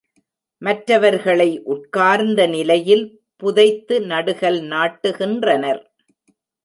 மற்றவர்களை உட்கார்ந்த நிலையில் புதைத்து நடுகல் நாட்டுகின்றனர்.